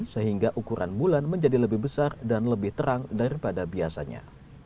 sehingga ukuran bulan menjadi lebih besar dan lebih terang daripada biasanya